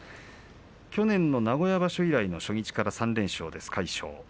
去年の名古屋場所では初日から３連勝の魁勝。